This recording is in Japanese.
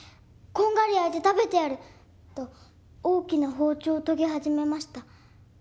こんがり焼いて食べてやる」と大きな包丁を研ぎ始めました。